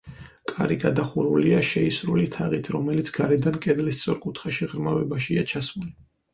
კარი გადახურულია შეისრული თაღით, რომელიც გარედან კედლის სწორკუთხა შეღრმავებაშია ჩასმული.